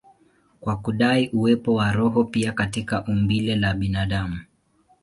kwa kudai uwepo wa roho pia katika umbile la binadamu.